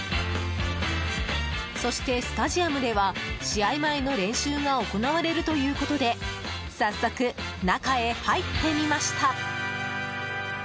そして、スタジアムでは試合前の練習が行われるということで早速、中へ入ってみました！